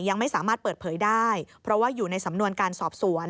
ยังไม่สามารถเปิดเผยได้เพราะว่าอยู่ในสำนวนการสอบสวน